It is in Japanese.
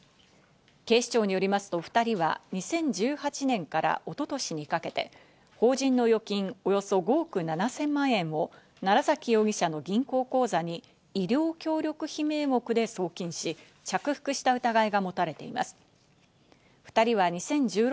警視庁によりますと、２人は２０１８年から一昨年にかけて、法人の預金およそ５億７０００万円を楢崎容疑者の銀行口座に医療協力費名目で送金し、着服した疑いが持たれています。